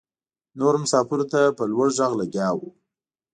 نورو مساپرو ته په لوړ غږ لګیا وه.